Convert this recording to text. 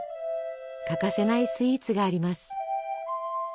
欠かせないスイーツがあります。